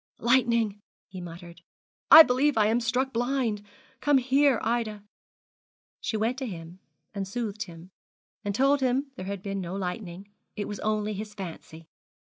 'Lightning,' he muttered; 'I believe I am struck blind. Come here, Ida.' She went to him and soothed him, and told him there had been no lightning; it was only his fancy.